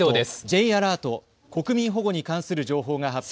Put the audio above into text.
Ｊアラート、国民保護に関する情報が発表されています。